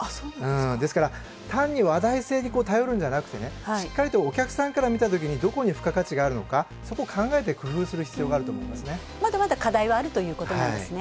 ですから、単に話題性に頼るんじゃなくて、しっかりとお客さんから見たときにどこに付加価値があるのか、そこを考えて工夫する必要はあると思いますね。